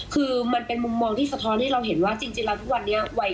คือมันเป็นมุมมองที่สะท้อนให้เราเห็นว่าจริงแล้วทุกวันนี้วัย